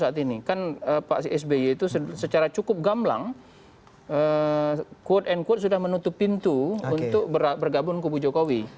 karena pks itu secara cukup gamlang sudah menutup pintu untuk bergabung dengan kubu jokowi